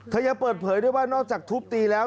ยังเปิดเผยด้วยว่านอกจากทุบตีแล้ว